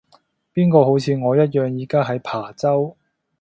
邊個好似我一樣而家喺琶洲